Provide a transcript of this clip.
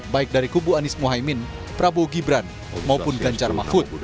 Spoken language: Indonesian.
baik dari kubu anies mohaimin prabowo gibran maupun ganjar mahfud